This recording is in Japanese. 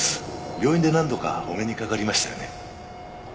病院で何度かお目にかかりましたよね？